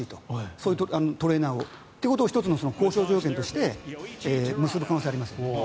そういうトレーナーを。ということを１つの交渉条件として結ぶ可能性もあります。